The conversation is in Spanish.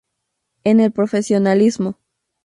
En el profesionalismo.